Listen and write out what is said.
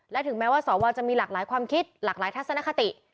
และถึงแม้ว่าสวจะมีหลากหลายความคิดหลากหลายทัศนคติ